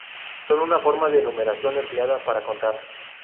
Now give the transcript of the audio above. Son una forma de numeración empleada para contar.